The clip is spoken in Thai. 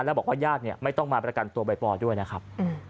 แล้วบอกว่าญาติไม่ต้องมาประกันตัวใบปอด้วยนะครับ